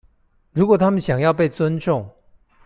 如果他們想要被尊重